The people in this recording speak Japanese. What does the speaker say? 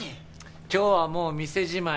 今日はもう店じまい。